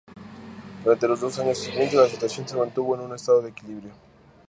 Durante los dos años siguientes, la situación se mantuvo en un estado de equilibrio.